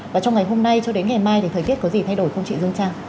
và trong ngày hôm nay cho đến ngày mai thì thời tiết có gì thay đổi không chị dương trang